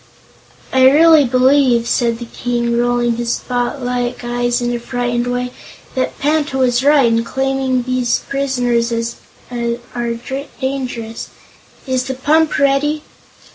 "I really believe," said the King, rolling his spotlike eyes in a frightened way, "that Panta was right in claiming these prisoners are dangerous. Is the pump ready?"